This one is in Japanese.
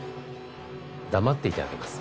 黙っていてあげます。